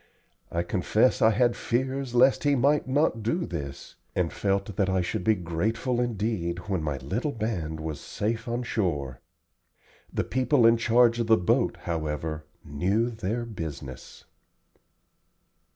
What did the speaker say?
I confess I had fears lest he might not do this, and felt that I should be grateful indeed when my little band was safe on shore. The people in charge of the boat, however, knew their business.